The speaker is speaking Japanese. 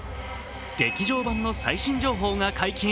劇場版の最新情報が解禁。